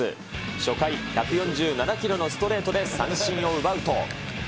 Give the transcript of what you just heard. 初回、１４７キロのストレートで三振を奪うと。